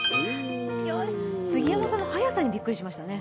杉山さんの早さにびっくりしましたね。